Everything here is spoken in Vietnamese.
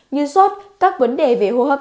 như sốt các vấn đề về hô hấp